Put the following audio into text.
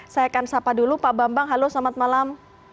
saya akan sapa dulu pak bambang halo selamat malam